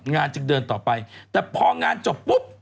จึงเดินต่อไปแต่พองานจบปุ๊บ